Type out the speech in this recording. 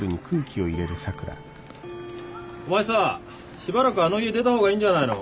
お前さあしばらくあの家出た方がいいんじゃないの？